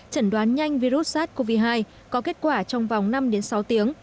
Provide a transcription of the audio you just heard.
chẩn đoán nhanh virus sars cov hai có kết quả trong vòng năm đến sáu tiếng